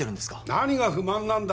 何が不満なんだ！